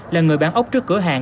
là người bán ốc trước cửa hàng